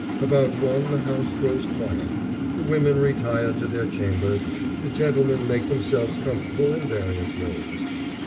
About one the house grows quiet. The women retire to their chambers, the gentlemen make themselves comfortable in various ways.